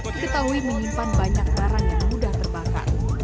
diketahui menyimpan banyak barang yang mudah terbakar